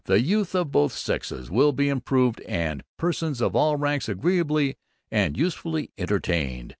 the youth of both sexes will be improved and persons of all ranks agreeably and usefully entertained.